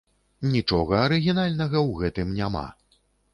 Нічога арыгінальнага ў гэтым няма.